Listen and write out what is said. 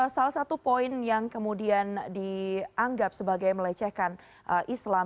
salah satu poin yang kemudian dianggap sebagai melecehkan islam